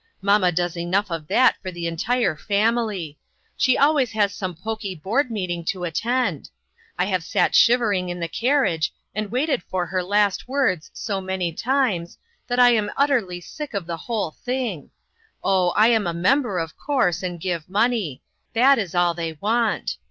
Mamma does enough of that for the entire . family ; she always has some poky board meeting to attend. I have sat shiver ing in the carriage, and waited for her last words so many times, that I am utterly sick of the whole thing. Oh, I am a member, of course, and give money ; that is all they want.